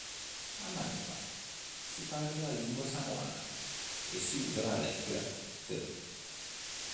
A Manu'a si parla la lingua samoana e si usa la lettera "t".